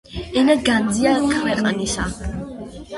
ენა განძია ქვეყნისა